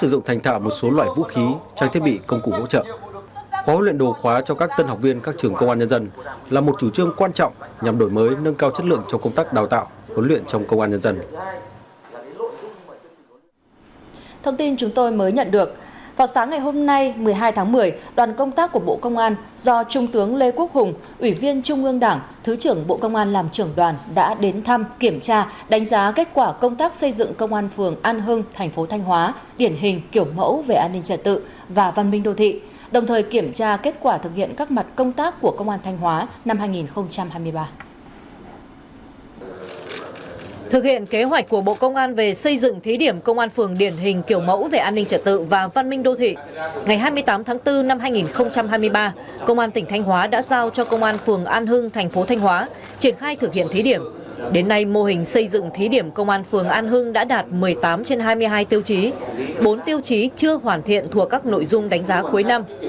đến nay mô hình xây dựng thí điểm công an phường an hưng đã đạt một mươi tám trên hai mươi hai tiêu chí bốn tiêu chí chưa hoàn thiện thuộc các nội dung đánh giá cuối năm